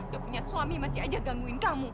udah punya suami masih aja gangguin kamu